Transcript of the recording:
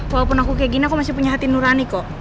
walaupun aku kayak gini aku masih punya hati nurani kok